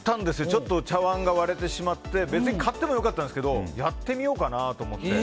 ちょっと茶碗が割れてしまって別に買っても良かったんですけどやってみようかなって。